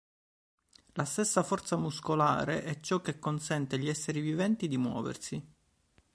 La stessa forza muscolare è ciò che consente agli esseri viventi di muoversi.